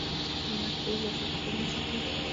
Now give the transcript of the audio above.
د مطبعې ریاست کتابونه چاپوي؟